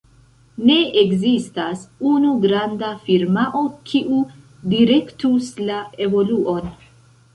Ne ekzistas unu granda firmao, kiu direktus la evoluon.